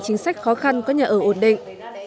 chính sách khó khăn có nhà ở ổn định